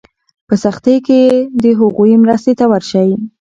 په سختۍ کې د هغوی مرستې ته ورشئ.